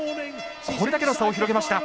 これだけの差を広げました。